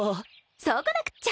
そうこなくっちゃ！